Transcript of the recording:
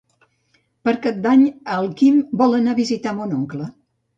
Per Cap d'Any en Quim vol anar a visitar mon oncle.